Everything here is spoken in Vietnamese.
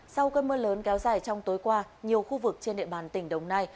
sau cơn mưa lớn kéo dài trong tối qua nhiều khu vực trên địa bàn tỉnh đồng nai